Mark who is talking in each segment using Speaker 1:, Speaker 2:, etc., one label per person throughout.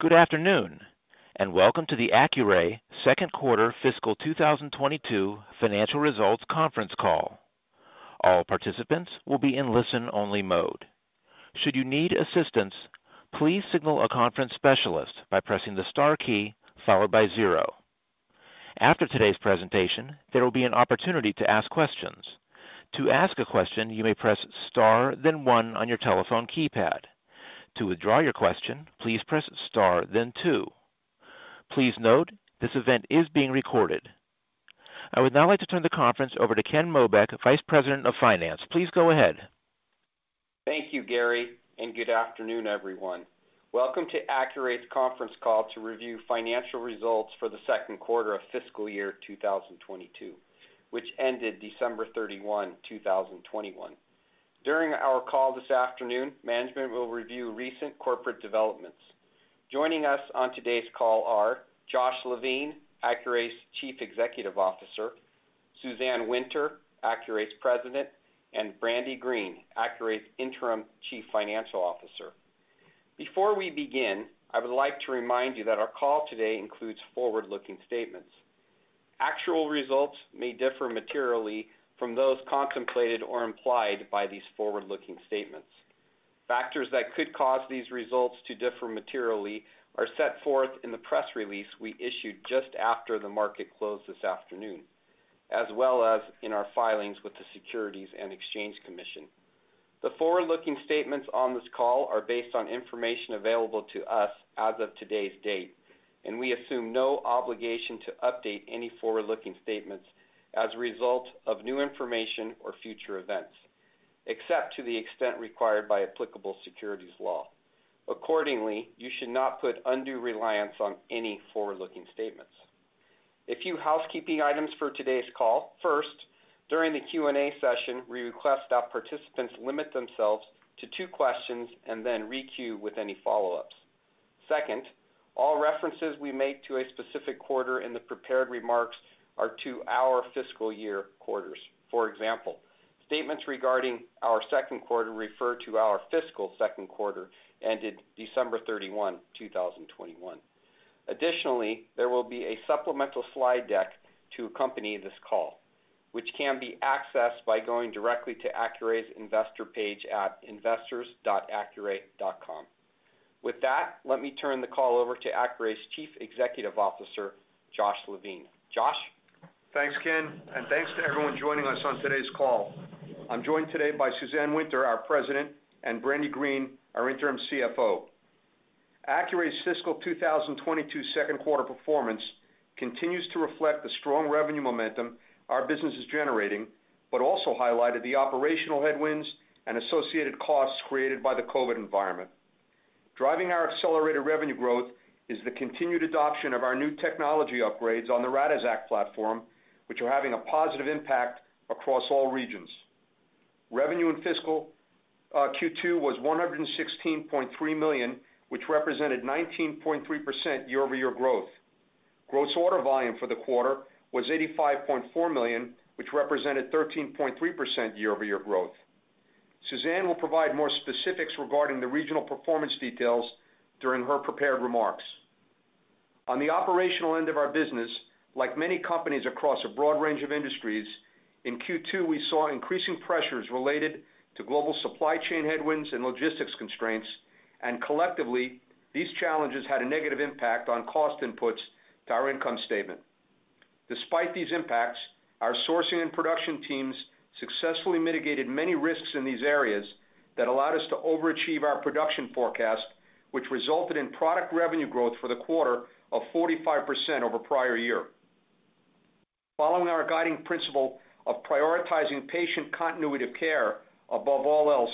Speaker 1: Good afternoon, and welcome to the Accuray second quarter fiscal 2022 financial results conference call. All participants will be in listen-only mode. Should you need assistance, please signal a conference specialist by pressing the star key followed by zero. After today's presentation, there will be an opportunity to ask questions. To ask a question, you may press star then one on your telephone keypad. To withdraw your question, please press star then two. Please note, this event is being recorded. I would now like to turn the conference over to Ken Mobeck, Vice President of Finance. Please go ahead.
Speaker 2: Thank you, Gary, and good afternoon, everyone. Welcome to Accuray's conference call to review financial results for the second quarter of fiscal year 2022, which ended December 31, 2021. During our call this afternoon, management will review recent corporate developments. Joining us on today's call are Josh Levine, Accuray's Chief Executive Officer, Suzanne Winter, Accuray's President, and Brandy Green, Accuray's Interim Chief Financial Officer. Before we begin, I would like to remind you that our call today includes forward-looking statements. Actual results may differ materially from those contemplated or implied by these forward-looking statements. Factors that could cause these results to differ materially are set forth in the press release we issued just after the market closed this afternoon, as well as in our filings with the Securities and Exchange Commission. The forward-looking statements on this call are based on information available to us as of today's date, and we assume no obligation to update any forward-looking statements as a result of new information or future events, except to the extent required by applicable securities law. Accordingly, you should not put undue reliance on any forward-looking statements. A few housekeeping items for today's call. First, during the Q&A session, we request that participants limit themselves to two questions and then re-queue with any follow-ups. Second, all references we make to a specific quarter in the prepared remarks are to our fiscal year quarters. For example, statements regarding our second quarter refer to our fiscal second quarter ended December 31, 2021. Additionally, there will be a supplemental slide deck to accompany this call, which can be accessed by going directly to Accuray's investor page at investors.accuray.com. With that, let me turn the call over to Accuray's Chief Executive Officer, Josh Levine. Josh?
Speaker 3: Thanks, Ken, and thanks to everyone joining us on today's call. I'm joined today by Suzanne Winter, our President, and Brandy Green, our Interim CFO. Accuray's fiscal 2022 second quarter performance continues to reflect the strong revenue momentum our business is generating, but also highlighted the operational headwinds and associated costs created by the COVID environment. Driving our accelerated revenue growth is the continued adoption of our new technology upgrades on the Radixact platform, which are having a positive impact across all regions. Revenue in fiscal Q2 was $116.3 million, which represented 19.3% year-over-year growth. Gross order volume for the quarter was $85.4 million, which represented 13.3% year-over-year growth. Suzanne will provide more specifics regarding the regional performance details during her prepared remarks. On the operational end of our business, like many companies across a broad range of industries, in Q2, we saw increasing pressures related to global supply chain headwinds and logistics constraints, and collectively, these challenges had a negative impact on cost inputs to our income statement. Despite these impacts, our sourcing and production teams successfully mitigated many risks in these areas that allowed us to overachieve our production forecast, which resulted in product revenue growth for the quarter of 45% over prior year. Following our guiding principle of prioritizing patient continuity of care above all else,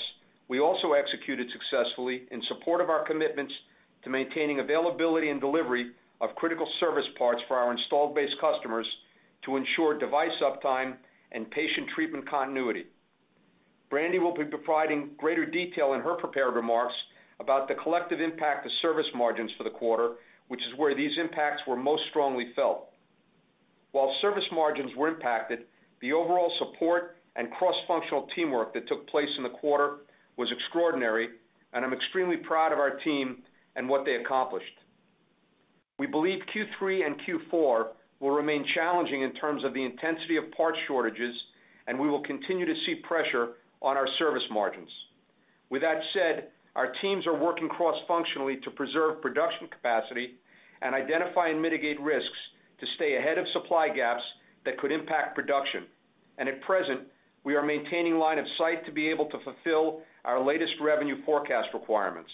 Speaker 3: we also executed successfully in support of our commitments to maintaining availability and delivery of critical service parts for our installed base customers to ensure device uptime and patient treatment continuity. Brandy will be providing greater detail in her prepared remarks about the collective impact to service margins for the quarter, which is where these impacts were most strongly felt. While service margins were impacted, the overall support and cross-functional teamwork that took place in the quarter was extraordinary, and I'm extremely proud of our team and what they accomplished. We believe Q3 and Q4 will remain challenging in terms of the intensity of part shortages, and we will continue to see pressure on our service margins. With that said, our teams are working cross-functionally to preserve production capacity and identify and mitigate risks to stay ahead of supply gaps that could impact production. At present, we are maintaining line of sight to be able to fulfill our latest revenue forecast requirements.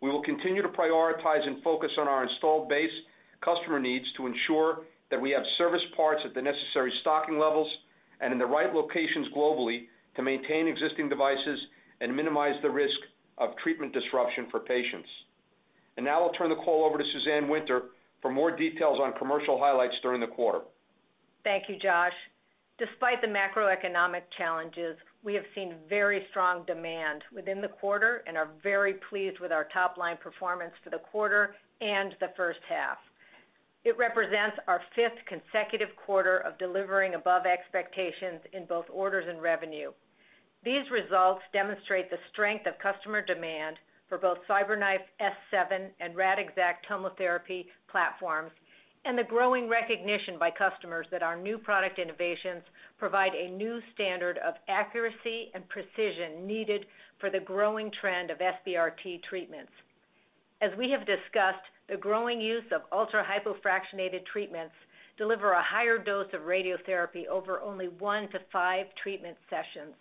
Speaker 3: We will continue to prioritize and focus on our installed base customer needs to ensure that we have service parts at the necessary stocking levels and in the right locations globally to maintain existing devices and minimize the risk of treatment disruption for patients. Now I'll turn the call over to Suzanne Winter for more details on commercial highlights during the quarter.
Speaker 4: Thank you, Josh. Despite the macroeconomic challenges, we have seen very strong demand within the quarter and are very pleased with our top-line performance for the quarter and the first half. It represents our fifth consecutive quarter of delivering above expectations in both orders and revenue. These results demonstrate the strength of customer demand for both CyberKnife S7 and Radixact TomoTherapy platforms, and the growing recognition by customers that our new product innovations provide a new standard of accuracy and precision needed for the growing trend of SBRT treatments. As we have discussed, the growing use of ultra-hypofractionated treatments deliver a higher dose of radiotherapy over only one to five treatment sessions,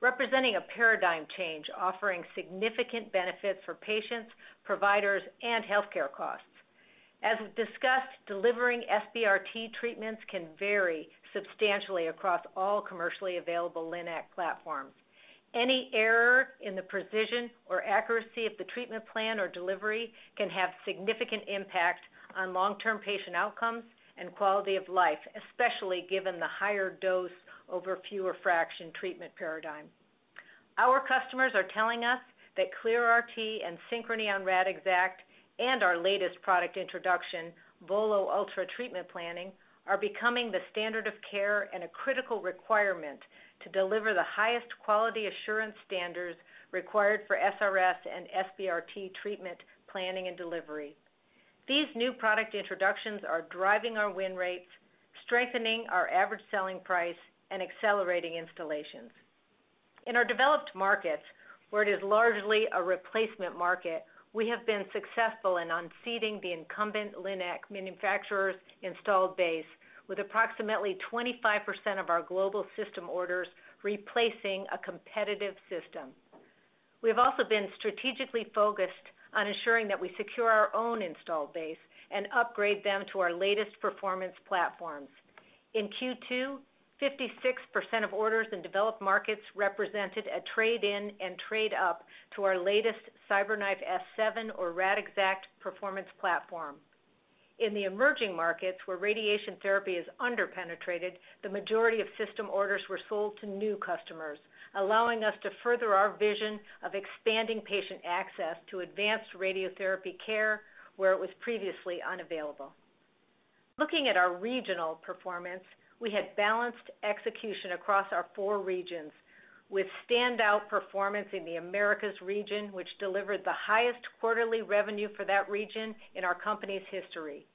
Speaker 4: representing a paradigm change offering significant benefits for patients, providers, and healthcare costs. As we've discussed, delivering SBRT treatments can vary substantially across all commercially available LINAC platforms. Any error in the precision or accuracy of the treatment plan or delivery can have significant impact on long-term patient outcomes and quality of life, especially given the higher dose over fewer fraction treatment paradigm. Our customers are telling us that ClearRT and Synchrony on Radixact and our latest product introduction, VOLO Ultra treatment planning, are becoming the standard of care and a critical requirement to deliver the highest quality assurance standards required for SRS and SBRT treatment, planning, and delivery. These new product introductions are driving our win rates, strengthening our average selling price, and accelerating installations. In our developed markets, where it is largely a replacement market, we have been successful in unseating the incumbent LINAC manufacturer's installed base with approximately 25% of our global system orders replacing a competitive system. We have also been strategically focused on ensuring that we secure our own installed base and upgrade them to our latest performance platforms. In Q2, 56% of orders in developed markets represented a trade-in and trade-up to our latest CyberKnife S7 or Radixact performance platform. In the emerging markets, where radiation therapy is under-penetrated, the majority of system orders were sold to new customers, allowing us to further our vision of expanding patient access to advanced radiotherapy care where it was previously unavailable. Looking at our regional performance, we had balanced execution across our four regions with standout performance in the Americas region, which delivered the highest quarterly revenue for that region in our company's history.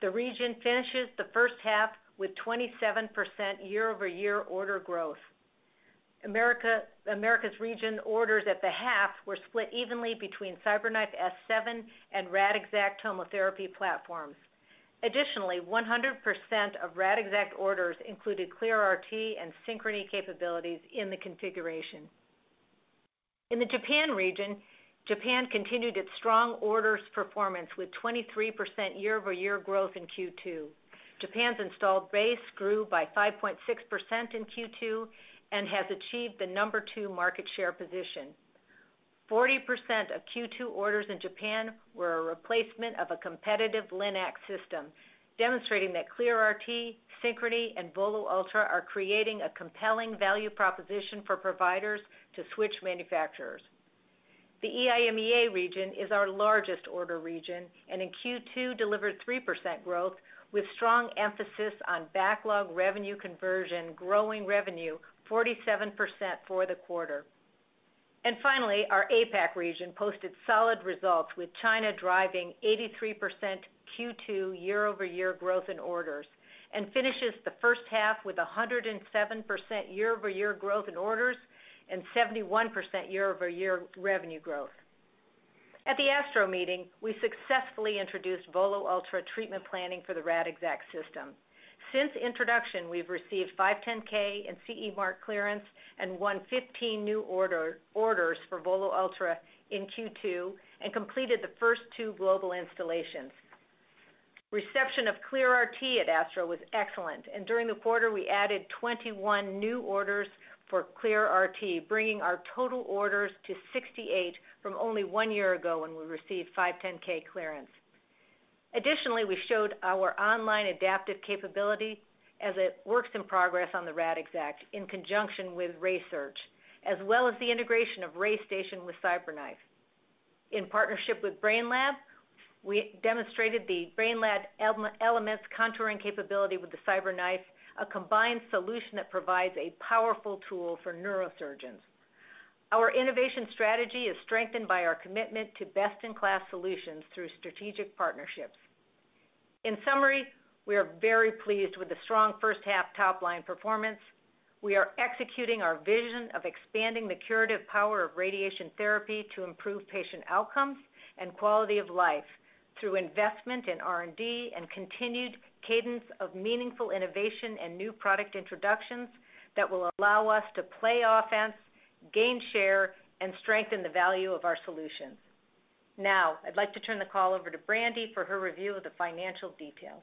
Speaker 4: The region finishes the first half with 27% year-over-year order growth. Americas, the Americas region orders at the half were split evenly between CyberKnife S7 and Radixact TomoTherapy platforms. Additionally, 100% of Radixact orders included ClearRT and Synchrony capabilities in the configuration. In the Japan region, Japan continued its strong orders performance with 23% year-over-year growth in Q2. Japan's installed base grew by 5.6% in Q2 and has achieved the No. 2 market share position. 40% of Q2 orders in Japan were a replacement of a competitive LINAC system, demonstrating that ClearRT, Synchrony, and VOLO Ultra are creating a compelling value proposition for providers to switch manufacturers. The EIMEA region is our largest order region and in Q2 delivered 3% growth with strong emphasis on backlog revenue conversion, growing revenue 47% for the quarter. Finally, our APAC region posted solid results with China driving 83% Q2 year-over-year growth in orders and finishes the first half with 107% year-over-year growth in orders and 71% year-over-year revenue growth. At the ASTRO meeting, we successfully introduced VOLO Ultra treatment planning for the Radixact system. Since introduction, we've received 510(k) and CE mark clearance and won 15 new orders for VOLO Ultra in Q2 and completed the first two global installations. Reception of ClearRT at ASTRO was excellent, and during the quarter, we added 21 new orders for ClearRT, bringing our total orders to 68 from only one year ago when we received 510(k) clearance. Additionally, we showed our online adaptive capability as a work in progress on the Radixact in conjunction with RaySearch, as well as the integration of RayStation with CyberKnife. In partnership with Brainlab, we demonstrated the Brainlab Elements contouring capability with the CyberKnife, a combined solution that provides a powerful tool for neurosurgeons. Our innovation strategy is strengthened by our commitment to best-in-class solutions through strategic partnerships. In summary, we are very pleased with the strong first half top-line performance. We are executing our vision of expanding the curative power of radiation therapy to improve patient outcomes and quality of life through investment in R&D and continued cadence of meaningful innovation and new product introductions that will allow us to play offense, gain share, and strengthen the value of our solutions. Now, I'd like to turn the call over to Brandy for her review of the financial details.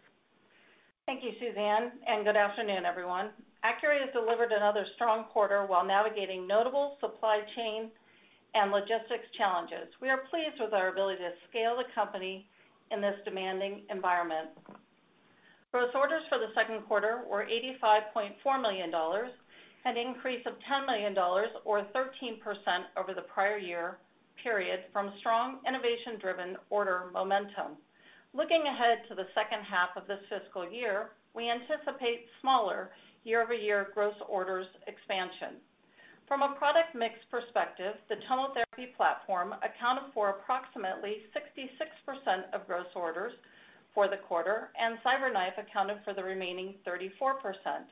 Speaker 5: Thank you, Suzanne, and good afternoon, everyone. Accuray has delivered another strong quarter while navigating notable supply chain and logistics challenges. We are pleased with our ability to scale the company in this demanding environment. Gross orders for the second quarter were $85.4 million, an increase of $10 million or 13% over the prior year period from strong innovation-driven order momentum. Looking ahead to the second half of this fiscal year, we anticipate smaller year-over-year gross orders expansion. From a product mix perspective, the TomoTherapy platform accounted for approximately 66% of gross orders for the quarter, and CyberKnife accounted for the remaining 34%.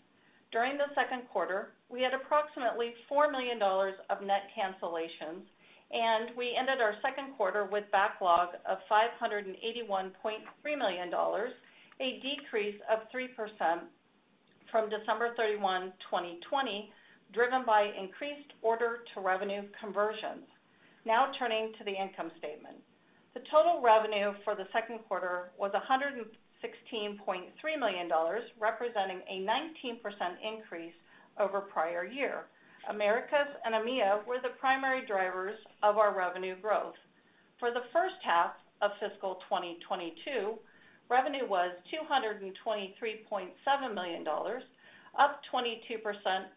Speaker 5: During the second quarter, we had approximately $4 million of net cancellations, and we ended our second quarter with backlog of $581.3 million, a decrease of 3% from December 31, 2020, driven by increased order to revenue conversions. Now turning to the income statement. The total revenue for the second quarter was $116.3 million, representing a 19% increase over prior year. Americas and EIMEA were the primary drivers of our revenue growth. For the first half of fiscal 2022, revenue was $223.7 million, up 22%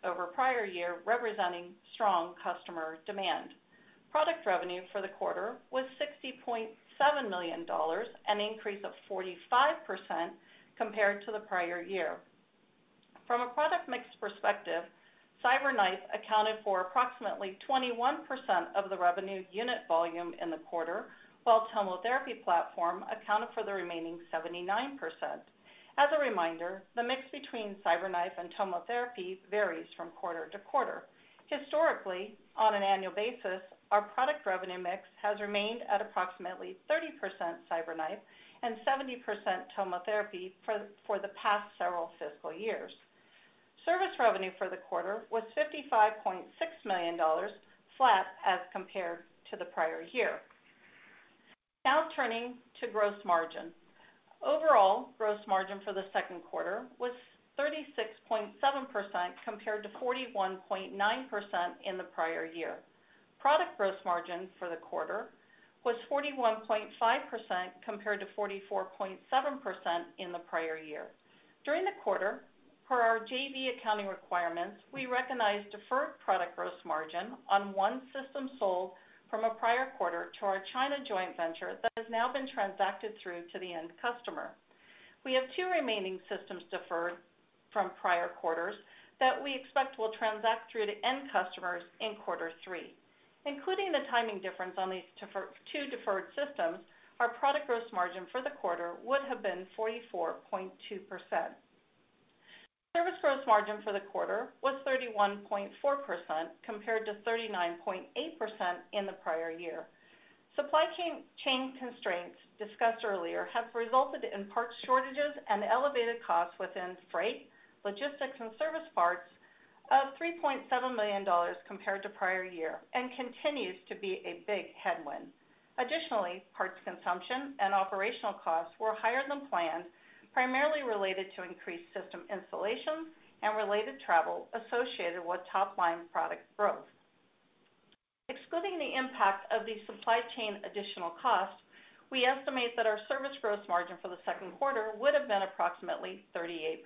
Speaker 5: over prior year, representing strong customer demand. Product revenue for the quarter was $60.7 million, an increase of 45% compared to the prior year. From a product mix perspective, CyberKnife accounted for approximately 21% of the revenue unit volume in the quarter, while TomoTherapy platform accounted for the remaining 79%. As a reminder, the mix between CyberKnife and TomoTherapy varies from quarter to quarter. Historically, on an annual basis, our product revenue mix has remained at approximately 30% CyberKnife and 70% TomoTherapy for the past several fiscal years. Service revenue for the quarter was $55.6 million, flat as compared to the prior year. Now turning to gross margin. Overall, gross margin for the second quarter was 36.7% compared to 41.9% in the prior year. Product gross margin for the quarter was 41.5% compared to 44.7% in the prior year. During the quarter, per our JV accounting requirements, we recognized deferred product gross margin on one system sold from a prior quarter to our China joint venture that has now been transacted through to the end customer. We have two remaining systems deferred from prior quarters that we expect will transact through to end customers in quarter three. Including the timing difference on these two deferred systems, our product gross margin for the quarter would have been 44.2%. Service gross margin for the quarter was 31.4% compared to 39.8% in the prior year. Supply chain constraints discussed earlier have resulted in parts shortages and elevated costs within freight, logistics and service parts of $3.7 million compared to prior year and continues to be a big headwind. Additionally, parts consumption and operational costs were higher than planned, primarily related to increased system installations and related travel associated with top line product growth. Excluding the impact of the supply chain additional cost, we estimate that our service gross margin for the second quarter would have been approximately 38%.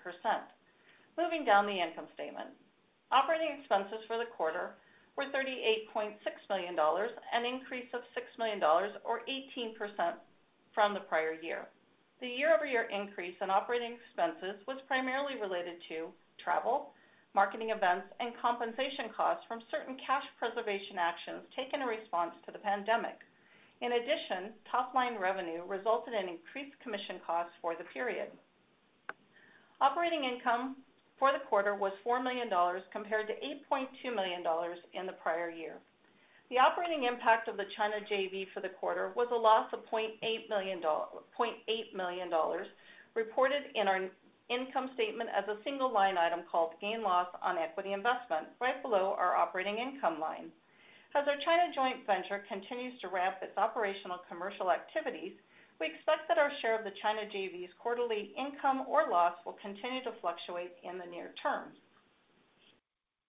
Speaker 5: Moving down the income statement. Operating expenses for the quarter were $38.6 million, an increase of $6 million or 18% from the prior year. The year-over-year increase in operating expenses was primarily related to travel, marketing events, and compensation costs from certain cash preservation actions taken in response to the pandemic. In addition, top line revenue resulted in increased commission costs for the period. Operating income for the quarter was $4 million, compared to $8.2 million in the prior year. The operating impact of the China JV for the quarter was a loss of $0.8 million, reported in our income statement as a single line item called Gain Loss on Equity Investment, right below our operating income line. As our China joint venture continues to ramp its operational commercial activities, we expect that our share of the China JV's quarterly income or loss will continue to fluctuate in the near term.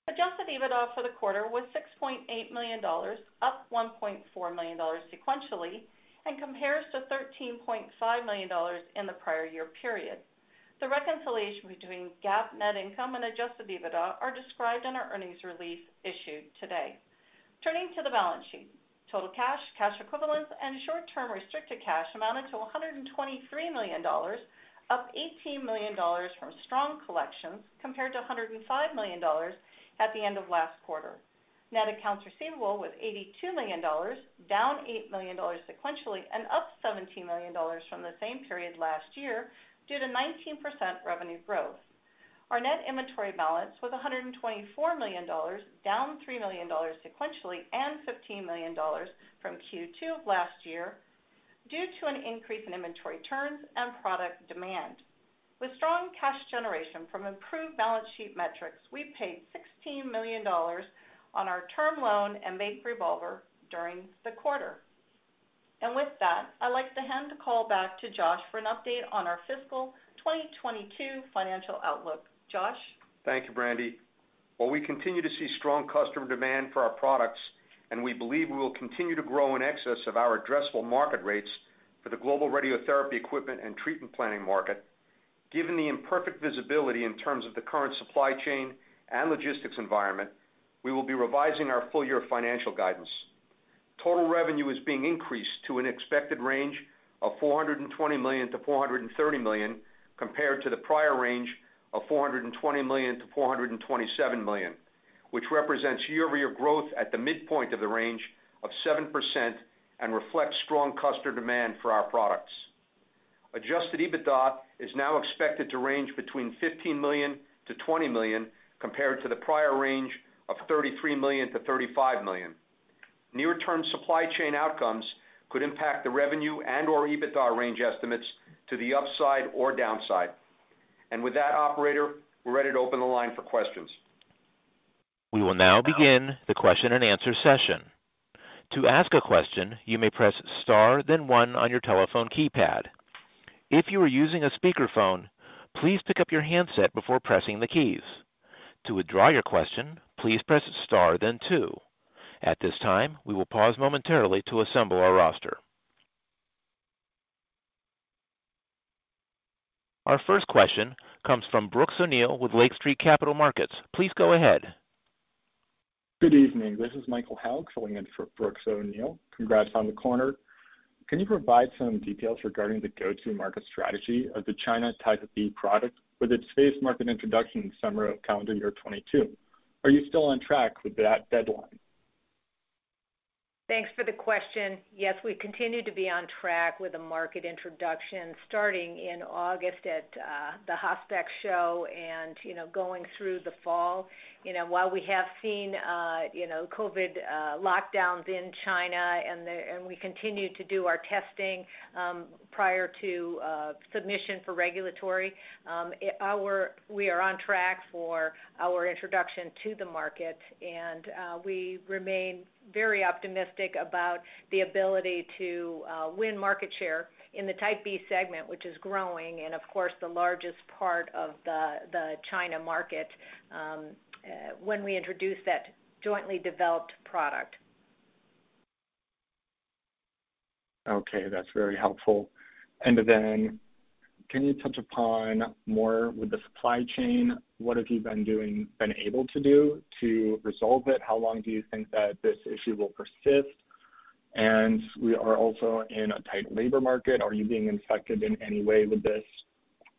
Speaker 5: Adjusted EBITDA for the quarter was $6.8 million, up $1.4 million sequentially and compares to $13.5 million in the prior year period. The reconciliation between GAAP net income and adjusted EBITDA are described in our earnings release issued today. Turning to the balance sheet. Total cash equivalents, and short-term restricted cash amounted to $123 million, up $18 million from strong collections compared to $105 million at the end of last quarter. Net accounts receivable was $82 million, down $8 million sequentially and up $17 million from the same period last year due to 19% revenue growth. Our net inventory balance was $124 million, down $3 million sequentially and $15 million from Q2 of last year due to an increase in inventory turns and product demand. With strong cash generation from improved balance sheet metrics, we paid $16 million on our term loan and bank revolver during the quarter. With that, I'd like to hand the call back to Josh for an update on our fiscal 2022 financial outlook. Josh?
Speaker 3: Thank you, Brandy. While we continue to see strong customer demand for our products, and we believe we will continue to grow in excess of our addressable market rates for the global radiotherapy equipment and treatment planning market, given the imperfect visibility in terms of the current supply chain and logistics environment, we will be revising our full year financial guidance. Total revenue is being increased to an expected range of $420 million-$430 million, compared to the prior range of $420 million-$427 million, which represents year-over-year growth at the midpoint of the range of 7% and reflects strong customer demand for our products. Adjusted EBITDA is now expected to range between $15 million-$20 million, compared to the prior range of $33 million-$35 million. Near-term supply chain outcomes could impact the revenue and or EBITDA range estimates to the upside or downside. With that operator, we're ready to open the line for questions.
Speaker 1: We will now begin the question and answer session. To ask a question, you may press star then one on your telephone keypad. If you are using a speakerphone, please pick up your handset before pressing the keys. To withdraw your question, please press star then two. At this time, we will pause momentarily to assemble our roster. Our first question comes from Brooks O'Neil with Lake Street Capital Markets. Please go ahead.
Speaker 6: Good evening. This is Michael Haug filling in for Brooks O'Neil. Congrats on the quarter. Can you provide some details regarding the go-to-market strategy of the China Type B product with its phased market introduction in summer of calendar year 2022? Are you still on track with that deadline?
Speaker 4: Thanks for the question. Yes, we continue to be on track with the market introduction starting in August at the Hospeq show and you know going through the fall. You know, while we have seen COVID lockdowns in China and we continue to do our testing prior to submission for regulatory we are on track for our introduction to the market. We remain very optimistic about the ability to win market share in the Type B segment, which is growing and of course the largest part of the China market when we introduce that jointly developed product.
Speaker 6: Okay, that's very helpful. Can you touch upon more with the supply chain? What have you been able to do to resolve it? How long do you think that this issue will persist? We are also in a tight labor market. Are you being impacted in any way with this,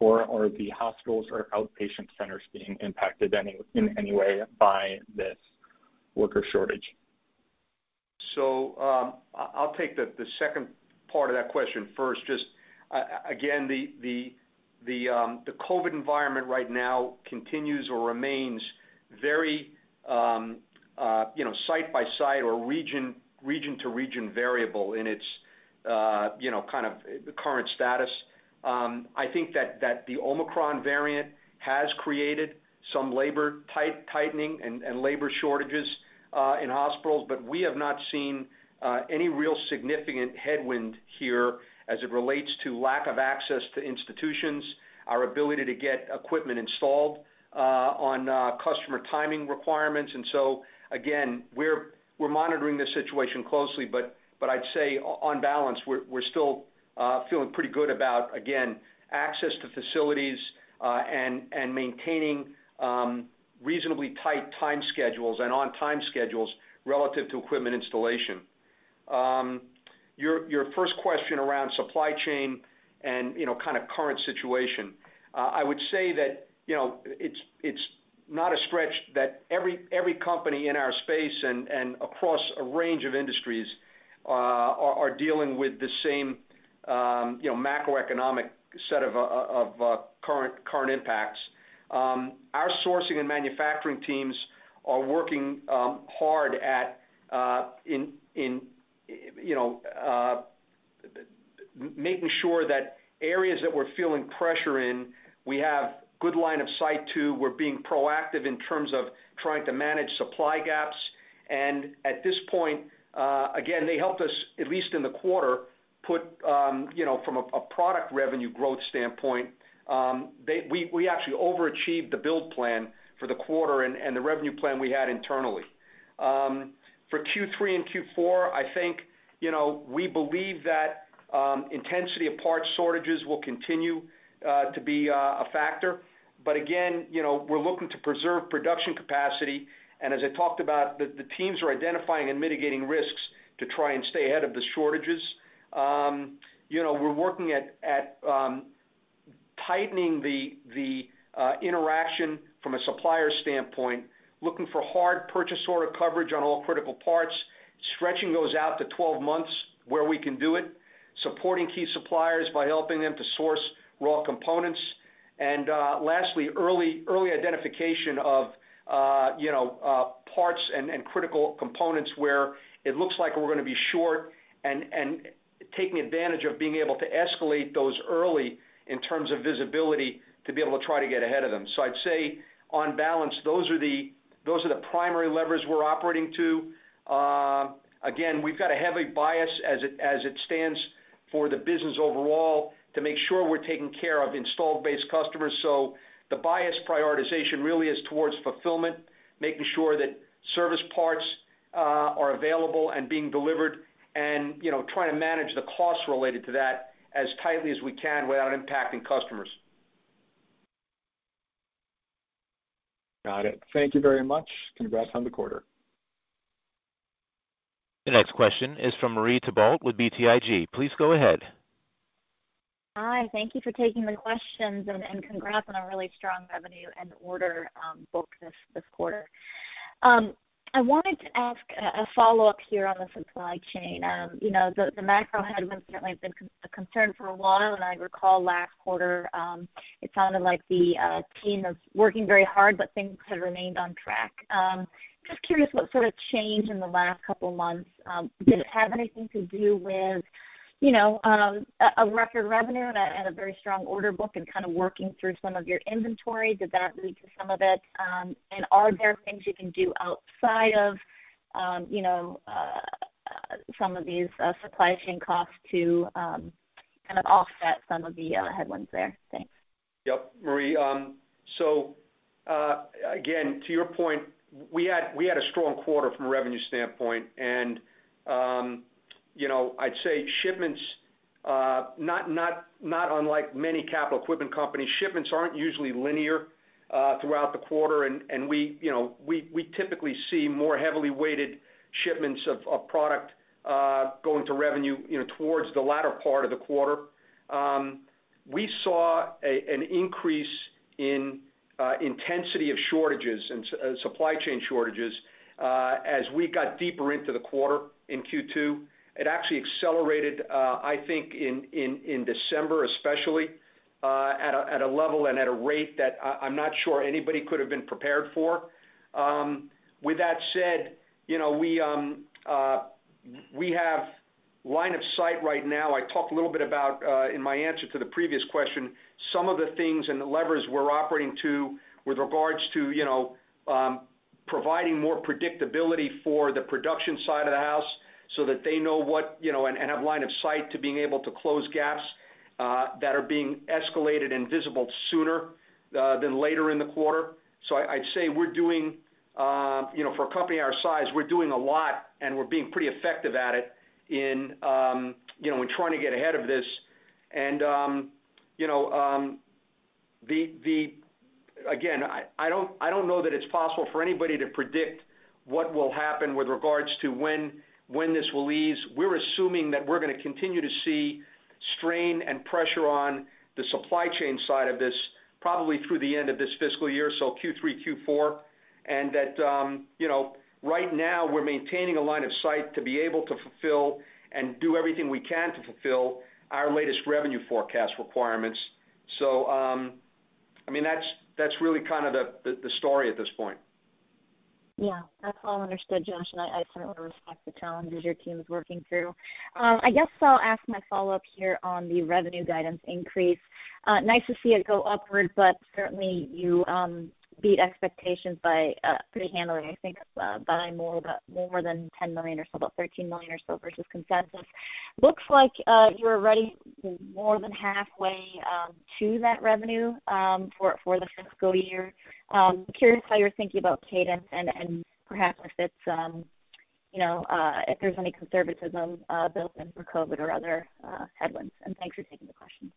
Speaker 6: or are the hospitals or outpatient centers being impacted in any way by this worker shortage?
Speaker 3: I'll take the second part of that question first. Just again, the COVID environment right now continues or remains very, you know, site by site or region to region variable in its, you know, kind of the current status. I think that the Omicron variant has created some labor tightening and labor shortages in hospitals. We have not seen any real significant headwind here as it relates to lack of access to institutions, our ability to get equipment installed, on customer timing requirements. Again, we're monitoring this situation closely, but I'd say on balance, we're still feeling pretty good about, again, access to facilities, and maintaining reasonably tight time schedules and on time schedules relative to equipment installation. Your first question around supply chain and, you know, kind of current situation. I would say that, you know, it's not a stretch that every company in our space and across a range of industries are dealing with the same, you know, macroeconomic set of current impacts. Our sourcing and manufacturing teams are working hard, you know, making sure that areas that we're feeling pressure in, we have good line of sight to. We're being proactive in terms of trying to manage supply gaps. At this point, again, they helped us, at least in the quarter, you know, from a product revenue growth standpoint, we actually overachieved the build plan for the quarter and the revenue plan we had internally. For Q3 and Q4, I think, you know, we believe that intensity of parts shortages will continue to be a factor. Again, you know, we're looking to preserve production capacity. As I talked about, the teams are identifying and mitigating risks to try and stay ahead of the shortages. You know, we're working at tightening the interaction from a supplier standpoint, looking for hard purchase order coverage on all critical parts, stretching those out to 12 months where we can do it, supporting key suppliers by helping them to source raw components. Lastly, early identification of you know parts and critical components where it looks like we're going to be short and taking advantage of being able to escalate those early in terms of visibility to be able to try to get ahead of them. I'd say on balance, those are the primary levers we're operating to. Again, we've got a heavy bias as it stands for the business overall to make sure we're taking care of installed base customers. The bias prioritization really is towards fulfillment, making sure that service parts are available and being delivered and you know trying to manage the costs related to that as tightly as we can without impacting customers.
Speaker 6: Got it. Thank you very much. Congrats on the quarter.
Speaker 1: The next question is from Marie Thibault with BTIG. Please go ahead.
Speaker 7: Hi, thank you for taking the questions and congrats on a really strong revenue and order book this quarter. I wanted to ask a follow-up here on the supply chain. You know, the macro headwinds certainly have been a concern for a while, and I recall last quarter, it sounded like the team was working very hard, but things had remained on track. Just curious what sort of changed in the last couple months. Did it have anything to do with, you know, a record revenue that had a very strong order book and kind of working through some of your inventory, did that lead to some of it? Are there things you can do outside of, you know, some of these supply chain costs to kind of offset some of the headwinds there? Thanks.
Speaker 3: Yep. Marie, again, to your point, we had a strong quarter from a revenue standpoint. You know, I'd say shipments not unlike many capital equipment companies, shipments aren't usually linear throughout the quarter. You know, we typically see more heavily weighted shipments of product going to revenue, you know, towards the latter part of the quarter. We saw an increase in intensity of shortages and supply chain shortages as we got deeper into the quarter in Q2. It actually accelerated, I think in December, especially, at a level and at a rate that I'm not sure anybody could have been prepared for. With that said, you know, we have line of sight right now. I talked a little bit about in my answer to the previous question some of the things and the levers we're operating with regards to, you know, providing more predictability for the production side of the house so that they know what, you know, and have line of sight to being able to close gaps that are being escalated and visible sooner than later in the quarter. I'd say we're doing, you know, for a company our size, we're doing a lot, and we're being pretty effective at it, you know, we're trying to get ahead of this. Again, I don't know that it's possible for anybody to predict what will happen with regards to when this will ease. We're assuming that we're gonna continue to see strain and pressure on the supply chain side of this probably through the end of this fiscal year, so Q3, Q4. That, you know, right now we're maintaining a line of sight to be able to fulfill and do everything we can to fulfill our latest revenue forecast requirements. I mean, that's really kind of the story at this point.
Speaker 7: Yeah. That's all understood, Josh, and I certainly respect the challenges your team is working through. I guess I'll ask my follow-up here on the revenue guidance increase. Nice to see it go upward, but certainly you beat expectations handily, I think, by more than $10 million or so, about $13 million or so versus consensus. Looks like you're already more than halfway to that revenue for the fiscal year. I'm curious how you're thinking about cadence and perhaps if it's you know if there's any conservatism built in for COVID or other headwinds. Thanks for taking the question.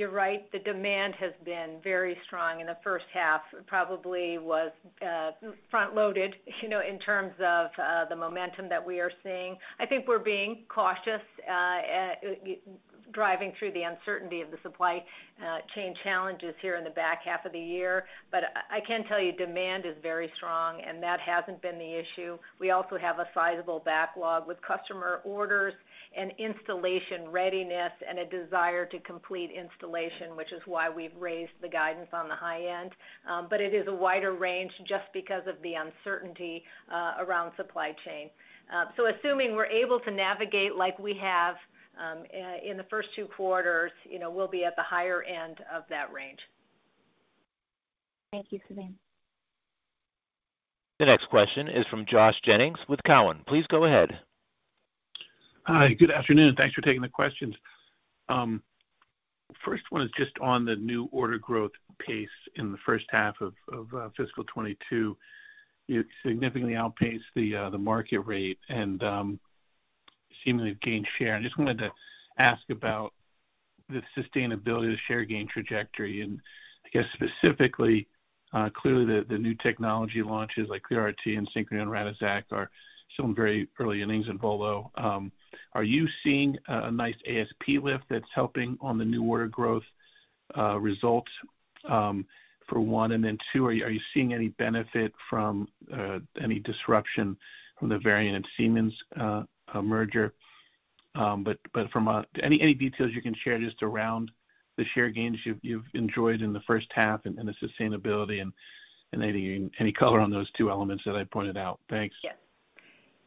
Speaker 4: You're right. The demand has been very strong in the first half. It probably was front-loaded, you know, in terms of the momentum that we are seeing. I think we're being cautious driving through the uncertainty of the supply chain challenges here in the back half of the year. But I can tell you demand is very strong, and that hasn't been the issue. We also have a sizable backlog with customer orders and installation readiness and a desire to complete installation, which is why we've raised the guidance on the high end. But it is a wider range just because of the uncertainty around supply chain. So assuming we're able to navigate like we have in the first two quarters, you know, we'll be at the higher end of that range.
Speaker 7: Thank you, Suzanne.
Speaker 1: The next question is from Josh Jennings with Cowen. Please go ahead.
Speaker 8: Hi, good afternoon. Thanks for taking the questions. First one is just on the new order growth pace in the first half of fiscal 2022. You significantly outpaced the market rate and seemingly gained share. I just wanted to ask about the sustainability of the share gain trajectory, and I guess specifically, clearly the new technology launches like ClearRT, Synchrony, Radixact, and VOLO are still in very early innings. Are you seeing a nice ASP lift that's helping on the new order growth results, for one? And then two, are you seeing any benefit from any disruption from the Varian and Siemens Healthineers merger? From any details you can share just around the share gains you've enjoyed in the first half and the sustainability and any color on those two elements that I pointed out? Thanks.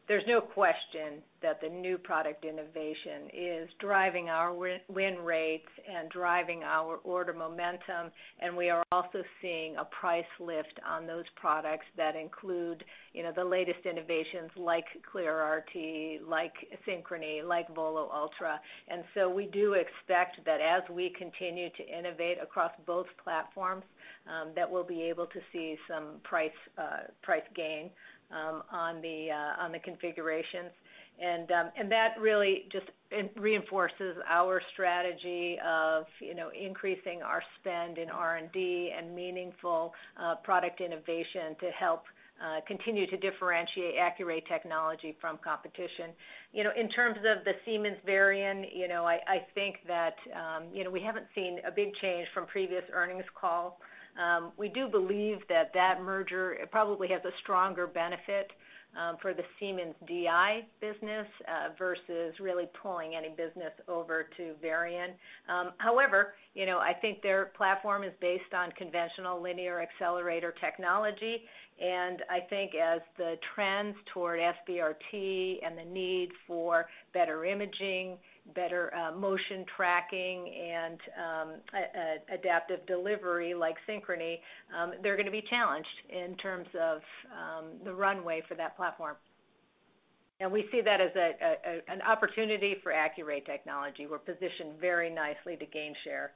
Speaker 4: There's no question that the new product innovation is driving our win-win rates and driving our order momentum. We are also seeing a price lift on those products that include, you know, the latest innovations like ClearRT, like Synchrony, like VOLO Ultra. We do expect that as we continue to innovate across both platforms, that we'll be able to see some price gain on the configurations. That really just reinforces our strategy of, you know, increasing our spend in R&D and meaningful product innovation to help continue to differentiate Accuray technology from competition. You know, in terms of the Siemens Varian, you know, I think that, you know, we haven't seen a big change from previous earnings call. We do believe that merger it probably has a stronger benefit for the Siemens DI business versus really pulling any business over to Varian. However, you know, I think their platform is based on conventional linear accelerator technology. I think as the trends toward SBRT and the need for better imaging, better motion tracking and adaptive delivery like Synchrony, they're gonna be challenged in terms of the runway for that platform. We see that as an opportunity for Accuray technology. We're positioned very nicely to gain share.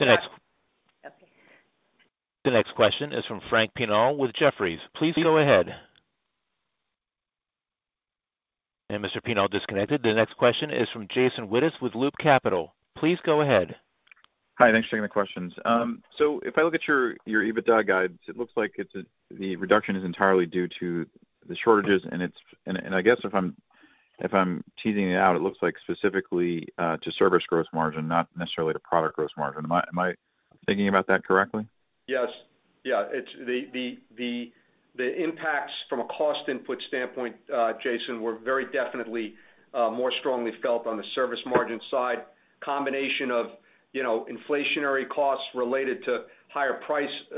Speaker 1: The next- The next question is from Frank Pinal with Jefferies. Please go ahead. Mr. Pinal disconnected. The next question is from Jason Wittes with Loop Capital. Please go ahead.
Speaker 9: Hi, thanks for taking the questions. So if I look at your EBITDA guides, it looks like the reduction is entirely due to the shortages. I guess if I'm teasing it out, it looks like specifically to service gross margin, not necessarily the product gross margin. Am I thinking about that correctly?
Speaker 3: Yes. Yeah. It's the impacts from a cost input standpoint, Jason, were very definitely more strongly felt on the service margin side. Combination of, you know, inflationary costs related to higher prices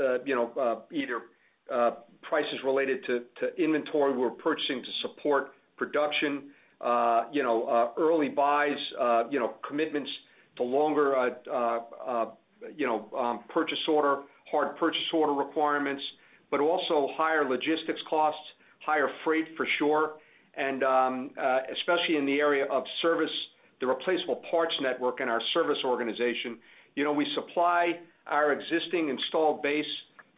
Speaker 3: related to inventory we're purchasing to support production. You know, early buys, you know, commitments to longer, you know, purchase order, hard purchase order requirements. But also higher logistics costs, higher freight for sure, and especially in the area of service, the replaceable parts network in our service organization. You know, we supply our existing installed base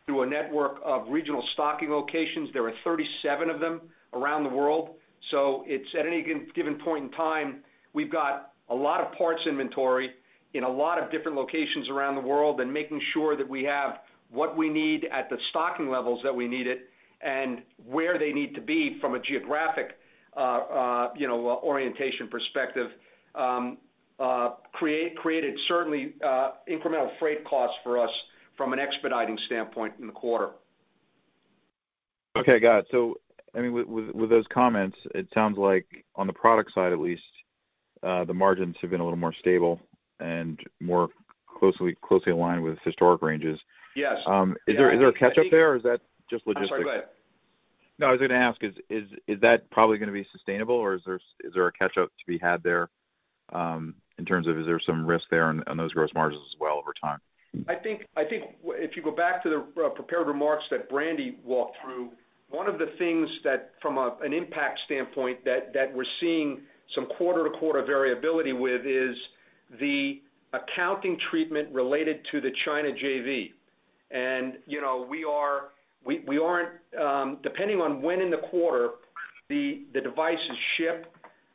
Speaker 3: through a network of regional stocking locations. There are 37 of them around the world. It's at any given point in time, we've got a lot of parts inventory in a lot of different locations around the world, and making sure that we have what we need at the stocking levels that we need it and where they need to be from a geographic, you know, orientation perspective created certainly incremental freight costs for us from an expediting standpoint in the quarter.
Speaker 9: Okay, got it. I mean, with those comments, it sounds like on the product side at least, the margins have been a little more stable and more closely aligned with historic ranges.
Speaker 3: Yes.
Speaker 9: Is there a catch-up there or is that just logistics?
Speaker 3: I'm sorry, go ahead.
Speaker 9: No, I was gonna ask is that probably gonna be sustainable or is there a catch-up to be had there, in terms of is there some risk there on those gross margins as well over time?
Speaker 3: I think if you go back to the prepared remarks that Brandy walked through, one of the things that from an impact standpoint that we're seeing some quarter-to-quarter variability with is the accounting treatment related to the China JV. You know, we aren't depending on when in the quarter the device is shipped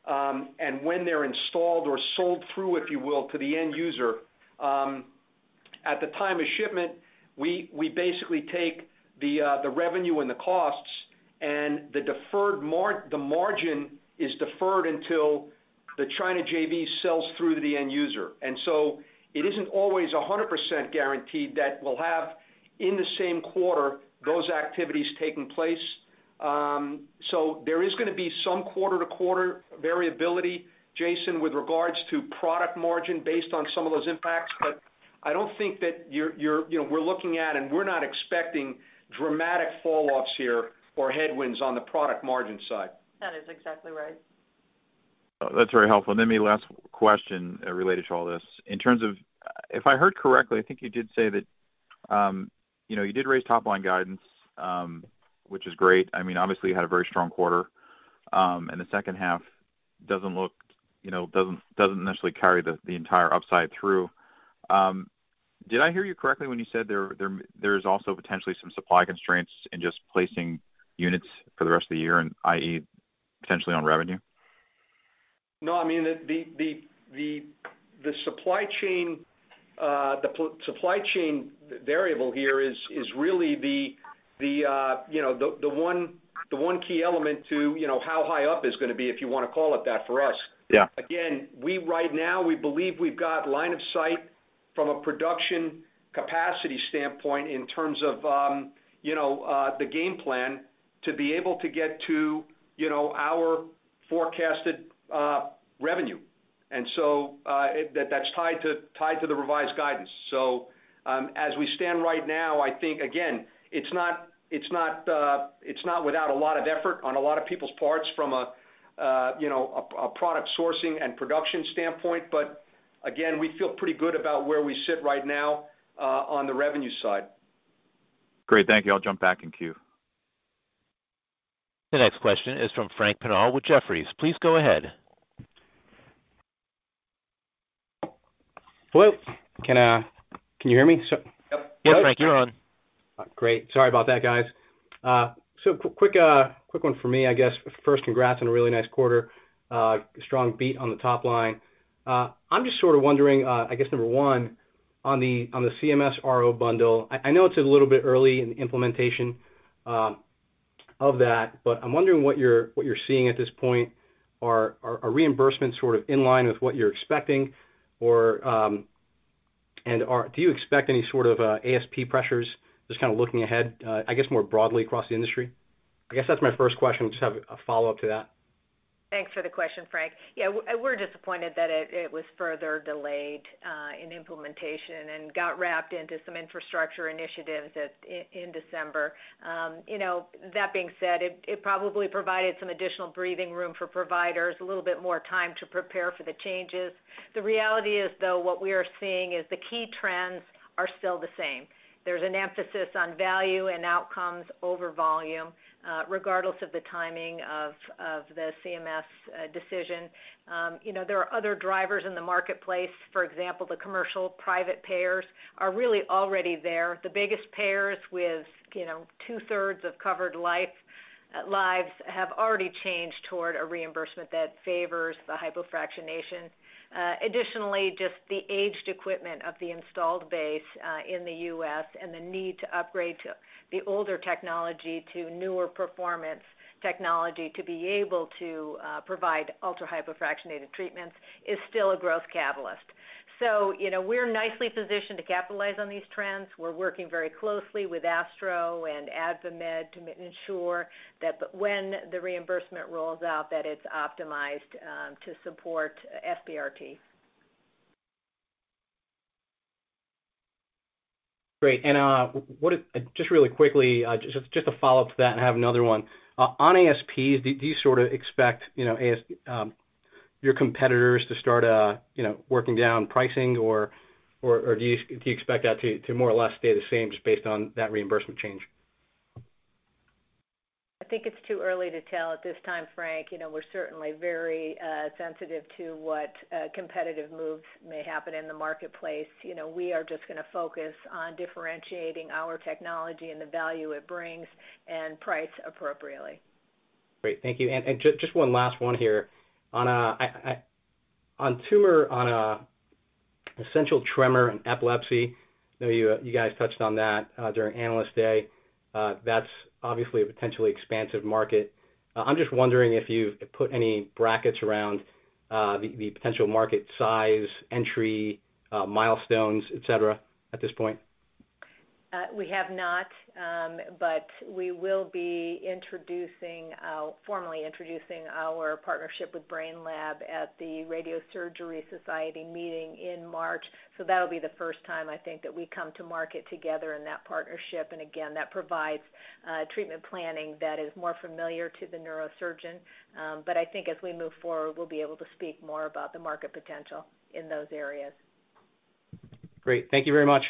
Speaker 3: and when they're installed or sold through, if you will, to the end user. At the time of shipment, we basically take the revenue and the costs and the margin is deferred until the China JV sells through to the end user. It isn't always 100% guaranteed that we'll have in the same quarter those activities taking place. There is gonna be some quarter-to-quarter variability, Jason, with regards to product margin based on some of those impacts. I don't think that you're you know, we're looking at and we're not expecting dramatic fall offs here or headwinds on the product margin side.
Speaker 4: That is exactly right.
Speaker 9: That's very helpful. Maybe last question related to all this. In terms of... if I heard correctly, I think you did say that, you know, you did raise top line guidance, which is great. I mean, obviously you had a very strong quarter, and the second half doesn't look, you know, doesn't necessarily carry the entire upside through. Did I hear you correctly when you said there's also potentially some supply constraints in just placing units for the rest of the year and i.e., potentially on revenue?
Speaker 3: No, I mean, the supply chain variable here is really the one key element to, you know, how high up is gonna be, if you wanna call it that for us.
Speaker 9: Yeah.
Speaker 3: Right now, we believe we've got line of sight from a production capacity standpoint in terms of, you know, the game plan to be able to get to, you know, our forecasted revenue. That's tied to the revised guidance. As we stand right now, I think again, it's not without a lot of effort on a lot of people's parts from a, you know, a product sourcing and production standpoint, but again, we feel pretty good about where we sit right now on the revenue side.
Speaker 9: Great. Thank you. I'll jump back in queue.
Speaker 1: The next question is from Frank Pinal with Jefferies. Please go ahead.
Speaker 10: Hello, can you hear me?
Speaker 3: Yep.
Speaker 1: Yeah, Frank, you're on.
Speaker 10: Great. Sorry about that, guys. Quick one for me, I guess. First, congrats on a really nice quarter, strong beat on the top line. I'm just sort of wondering, I guess number one, on the CMS RO bundle. I know it's a little bit early in the implementation of that, but I'm wondering what you're seeing at this point. Are reimbursements sort of in line with what you're expecting? Or, do you expect any sort of ASP pressures, just kind of looking ahead, I guess more broadly across the industry? I guess that's my first question. Just have a follow-up to that.
Speaker 4: Thanks for the question, Frank. Yeah, we're disappointed that it was further delayed in implementation and got wrapped into some infrastructure initiatives in December. You know, that being said, it probably provided some additional breathing room for providers, a little bit more time to prepare for the changes. The reality is, though, what we are seeing is the key trends are still the same. There's an emphasis on value and outcomes over volume, regardless of the timing of the CMS decision. You know, there are other drivers in the marketplace. For example, the commercial private payers are really already there. The biggest payers with, you know, two-thirds of covered lives have already changed toward a reimbursement that favors the hypofractionation. Additionally, just the aged equipment of the installed base, in the U.S. and the need to upgrade from the older technology to newer performance technology to be able to provide ultra-hypofractionated treatments is still a growth catalyst. You know, we're nicely positioned to capitalize on these trends. We're working very closely with ASTRO and AdvaMed to ensure that when the reimbursement rolls out, that it's optimized, to support SBRT.
Speaker 10: Great. Just really quickly, just a follow-up to that and have another one. On ASP, do you sort of expect, you know, your competitors to start working down pricing or do you expect that to more or less stay the same just based on that reimbursement change?
Speaker 4: I think it's too early to tell at this time, Frank. You know, we're certainly very sensitive to what competitive moves may happen in the marketplace. You know, we are just gonna focus on differentiating our technology and the value it brings and price appropriately.
Speaker 10: Great. Thank you. Just one last one here. On essential tremor and epilepsy, I know you guys touched on that during Analyst Day. That's obviously a potentially expansive market. I'm just wondering if you've put any brackets around the potential market size, entry milestones, et cetera, at this point.
Speaker 4: We have not, but we will be formally introducing our partnership with Brainlab at the Radiosurgery Society meeting in March. That'll be the first time I think that we come to market together in that partnership. Again, that provides treatment planning that is more familiar to the neurosurgeon. I think as we move forward, we'll be able to speak more about the market potential in those areas.
Speaker 10: Great. Thank you very much.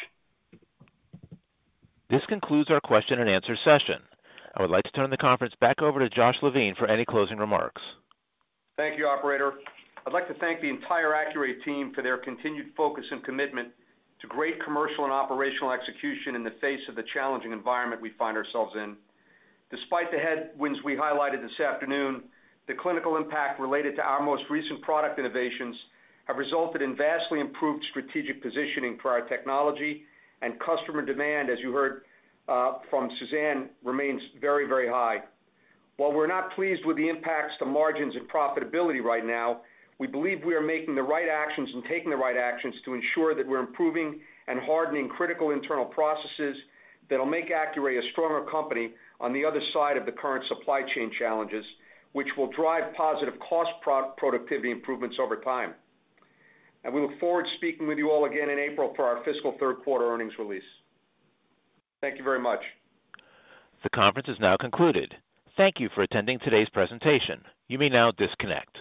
Speaker 1: This concludes our question and answer session. I would like to turn the conference back over to Josh Levine for any closing remarks.
Speaker 3: Thank you, operator. I'd like to thank the entire Accuray team for their continued focus and commitment to great commercial and operational execution in the face of the challenging environment we find ourselves in. Despite the headwinds we highlighted this afternoon, the clinical impact related to our most recent product innovations have resulted in vastly improved strategic positioning for our technology and customer demand, as you heard, from Suzanne, remains very, very high. While we're not pleased with the impacts to margins and profitability right now, we believe we are making the right actions and taking the right actions to ensure that we're improving and hardening critical internal processes that'll make Accuray a stronger company on the other side of the current supply chain challenges, which will drive positive cost productivity improvements over time. We look forward to speaking with you all again in April for our fiscal third quarter earnings release. Thank you very much.
Speaker 1: The conference is now concluded. Thank you for attending today's presentation. You may now disconnect.